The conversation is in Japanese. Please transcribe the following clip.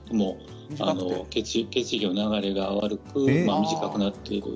血液の流れが悪く短くなっている。